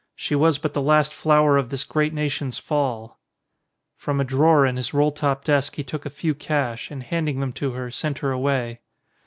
"She was but the last flower of this great nation*s Fall." From a drawer in his roll top desk he took a few cash, and handing them to her, sent her away.